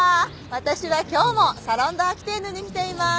私は今日もサロン・ド・アキテーヌに来ています。